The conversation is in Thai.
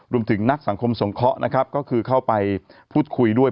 นักสังคมสงเคราะห์นะครับก็คือเข้าไปพูดคุยด้วย